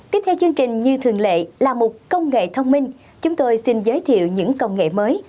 tiếp theo chương trình như thường lệ là một công nghệ thông minh chúng tôi xin giới thiệu những công nghệ mới